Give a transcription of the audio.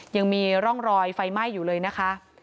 ยังมีร่องรอยไฟไหม้อยู่เลยนะคะ